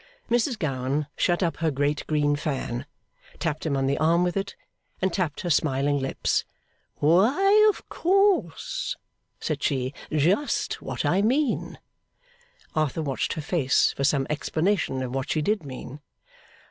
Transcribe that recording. Mrs Gowan shut up her great green fan, tapped him on the arm with it, and tapped her smiling lips. 'Why, of course,' said she. 'Just what I mean.' Arthur watched her face for some explanation of what she did mean.